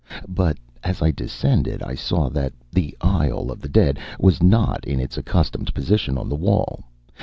But, as I descended, I saw that The Isle of the Dead was not in its accustomed position on the wall.